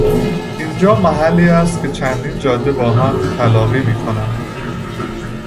اینجا محلی است که چندین جاده با هم تلاقی میکنند.